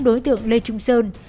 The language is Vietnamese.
đối tượng lê trung sơn